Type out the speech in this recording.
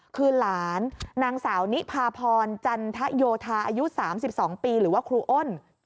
คือหลานนางสาวนิพาพรจันทโยธาอายุ๓๒ปีหรือว่าครูอ้น